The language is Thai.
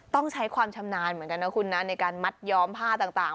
ต้องใช้ความชำนาญเหมือนกันนะคุณนะในการมัดย้อมผ้าต่าง